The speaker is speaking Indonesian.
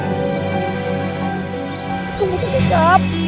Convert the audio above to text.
itu butuh kicap